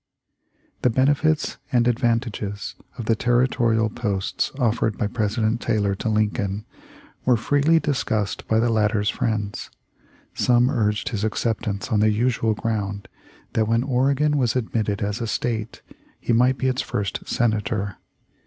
The benefits and advantages of the territorial posts offered by President Taylor to Lincoln were freely discussed by the latter's friends. Some urged his acceptance on the usual ground that when Ore gon was admitted as a State, he might be its first Senator.